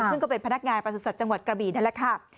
ซึ่งก็เป็นพนักงานประสุทธิ์จังหวัดกระบีนั่นแหละค่ะ